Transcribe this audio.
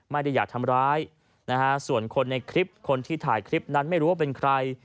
ไม่ได้อยากทำร้ายนะฮะส่วนคนในคลิปคนที่ถ่ายคลิปนั้นไม่รู้ว่าเป็นใคร